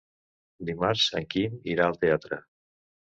Dimarts en Quim irà al teatre.